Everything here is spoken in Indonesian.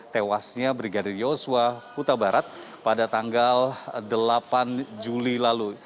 dari yosua huta barat pada tanggal delapan juli lalu